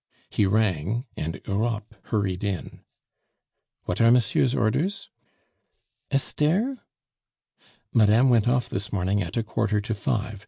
He rang, and Europe hurried in. "What are monsieur's orders?" "Esther?" "Madame went off this morning at a quarter to five.